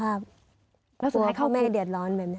แล้วสุดท้ายเข้าคุกเขาแม่ได้เดียดร้อนแบบนี้